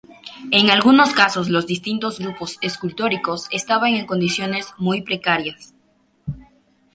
En algunos casos los distintos grupos escultóricos estaban en condiciones muy precarias.